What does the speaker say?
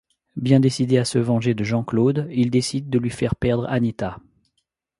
Bien décidé à se venger de Jean-Claude, il décide de lui faire perdre Anita.